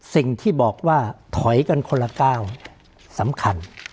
สิ่งที่บอกว่าถอยกันคนละก้าวสำคัญ